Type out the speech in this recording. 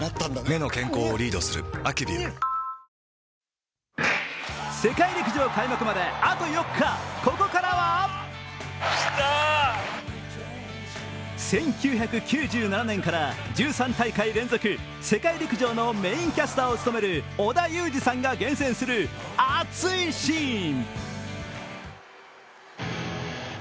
目の健康をリードする「アキュビュー」世界陸上開幕まであと４日、ここからは１９９７年から１３大会連続、世界陸上のメーンキャスターを務める織田裕二さんが厳選する熱いシーン。